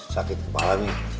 sakit kepala nih